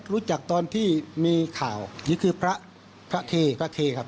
รู้จักตอนที่มีข่าวนี่คือพระพระเทพระเคครับ